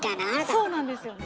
そうなんですよね。